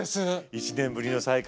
１年ぶりの再会